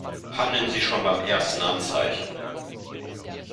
Handeln Sie schon beim ersten Anzeichen!